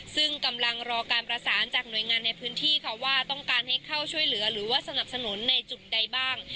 ซึ่งกำลังรอการประสานจากหน่วยงานในพื้นที่ค่ะว่าต้องการให้เข้าช่วยเหลือหรือว่าสนับสนุนในจุดใดบ้าง